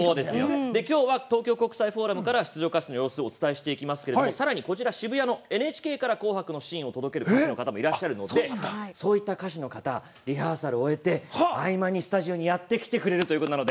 きょうは東京国際フォーラムから出場歌手の様子をお伝えしていきますがさらに渋谷のＮＨＫから「紅白」のシーンを届ける歌手の方もいますのでそういった歌手の方リハーサルを終えて合間に、スタジオにやってきてくれるということなので。